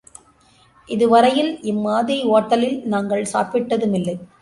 இது வரையில் இம்மாதிரி ஓட்டலில் நாங்கள் சாப்பிட்டதுமில்லை.